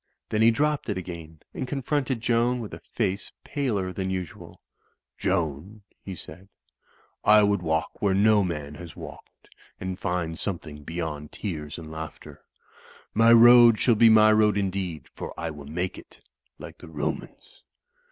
Then he dropped it again and confronted Joan with a face paler than usual. "Joan," he said, "I would walk where no man has walked ; and find something beyond tears and laughter. My road shall be my road indeed ; for I will make it, like the Romans.